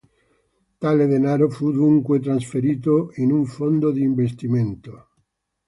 Tale denaro fu dunque trasferito in un fondo di investimento.